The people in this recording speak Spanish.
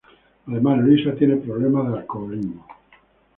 Además Luisa tiene problemas de alcoholismo.